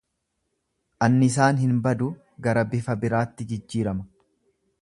Annisaan hin badu, gara bifa biraatti jijjiirama.